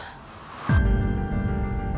kalo sampe elsa denger kronologi sih seperti apa